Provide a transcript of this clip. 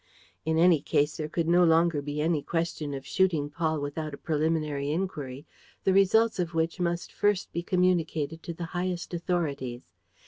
In any case there could no longer be any question of shooting Paul without a preliminary inquiry, the results of which must first be communicated to the highest authorities.